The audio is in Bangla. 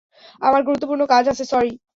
আমার গুরুত্বপূর্ণ কাজ আছে, সরি।